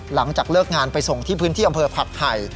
หลังจากเลิกงานไปส่งที่พื้นที่อำเภอผักไห่